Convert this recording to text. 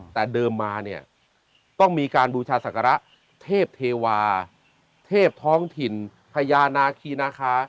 แต่เดิมมาเนี่ยต้องมีการบูชาศักระเทพเทวาเทพท้องถิ่นพญานาคีนาคา